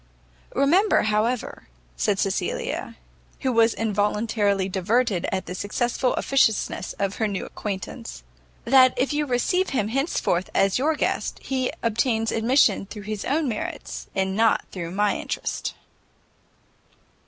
"Remember, however," said Cecilia, who was involuntarily diverted at the successful officiousness of her new acquaintance, "that if you receive him henceforth as your guest, he obtains admission through his own merits, and not through my interest."